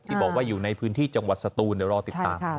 บอกว่าอยู่ในพื้นที่จังหวัดสตูนเดี๋ยวรอติดตาม